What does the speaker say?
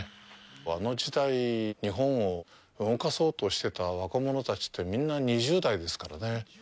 あの時代、日本を動かそうとしてた若者たちって、みんな、２０代ですからね。